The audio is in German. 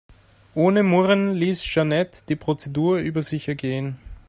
Ohne Murren ließ Jeanette die Prozedur über sich ergehen.